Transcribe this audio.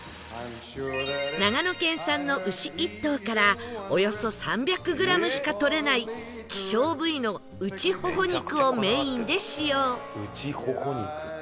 長野県産の牛１頭からおよそ３００グラムしか取れない希少部位の内ほほ肉をメインで使用内ほほ肉。